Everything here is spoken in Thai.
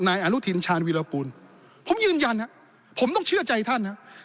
นายอนุทินชาญวิรากูลผมยืนยันครับผมต้องเชื่อใจท่านนะครับ